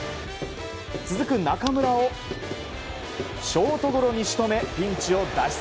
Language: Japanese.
続く中村をショートゴロに仕留めピンチを脱出。